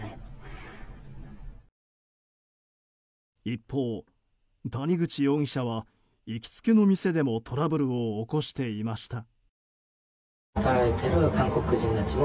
一方、谷口容疑者は行きつけの店でもトラブルを起こしていました。